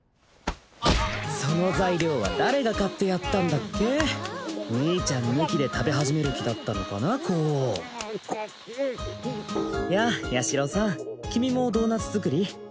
その材料は誰が買ってやったんだっけ兄ちゃん抜きで食べ始める気だったのかな光やあ八尋さん君もドーナツ作り？